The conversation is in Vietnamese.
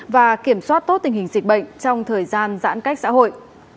và kiểm soát tốt tình hình dịch bệnh trong thời gian giãn cách xã hội